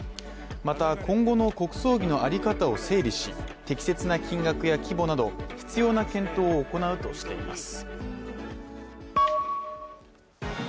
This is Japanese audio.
また、今後の国葬儀の在り方を整備し適切な金額や規模など必要な検討を行うとしています。